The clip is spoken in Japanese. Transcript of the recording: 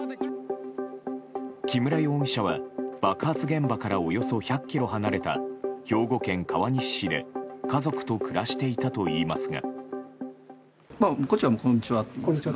木村容疑者は爆発現場からおよそ１００ｋｍ離れた兵庫県川西市で家族と暮らしていたといいますが。